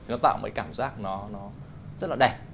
nó tạo một cảm giác nó rất là đẹp